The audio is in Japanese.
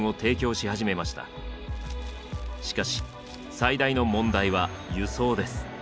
しかし最大の問題は「輸送」です。